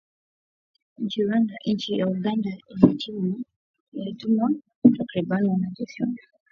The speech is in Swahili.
Nchi ya Uganda ilituma takriban wanajeshi elfu moja mia saba kwa jirani yake wa Afrika ya kati